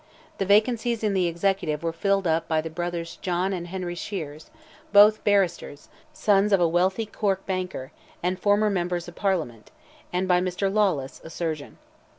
The vacancies in the Executive were filled up by the brothers John and Henry Sheares, both barristers, sons of a wealthy Cork banker, and former member of Parliament, and by Mr. Lawless, a surgeon.